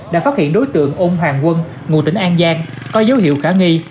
đã phát hiện đối tượng ông hoàng quân ngù tỉnh an giang có dấu hiệu khả nghi